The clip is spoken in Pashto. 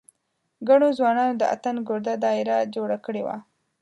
ګڼو ځوانانو د اتڼ ګرده داېره جوړه کړې وه.